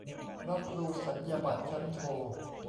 พระครูสัญญาบัตรชั้นโท